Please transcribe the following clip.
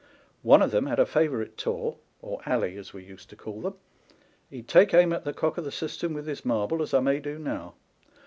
One of them had a favourite taw (or alley as we used to call them) ; he'd take aim at the cock of the cistern with this marble, as I may do now.